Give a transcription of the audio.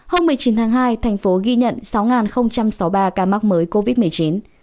hôm một mươi chín tháng hai thành phố ghi nhận sáu sáu mươi ba ca mắc mới covid một mươi chín